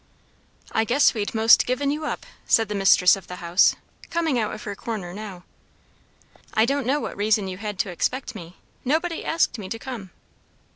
"I guess we'd most given you up," said the mistress of the house, coming out of her corner now. "I don't know what reason you had to expect me! Nobody asked me to come."